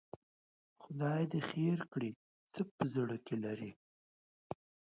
خدای دې خیر کړي، څه په زړه کې لري؟